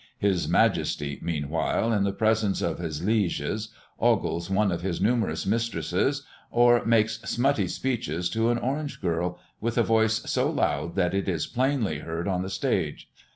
His Majesty, meanwhile, in the presence of his lieges, ogles one of his numerous mistresses, or makes smutty speeches to an orange girl, with a voice so loud that it is plainly heard on the stage.